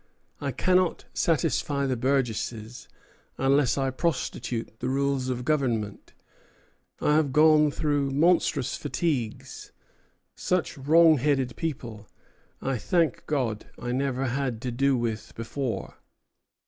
I cannot satisfy the burgesses unless I prostitute the rules of government. I have gone through monstrous fatigues. Such wrong headed people, I thank God, I never had to do with before."